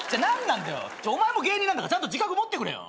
お前も芸人なんだからちゃんと自覚持ってくれよ。